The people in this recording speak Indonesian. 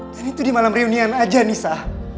dan itu di malam reunian aja nisa